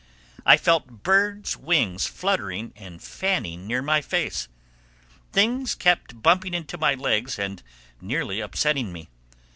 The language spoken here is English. I felt birds' wings fluttering and fanning near my face. Things kept bumping into my legs and nearly upsetting me.